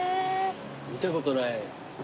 見たことない。